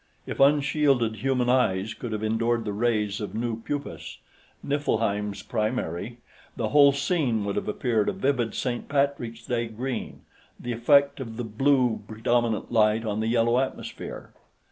If unshielded human eyes could have endured the rays of Nu Puppis, Niflheim's primary, the whole scene would have appeared a vivid Saint Patrick's Day green, the effect of the blue predominant light on the yellow atmosphere.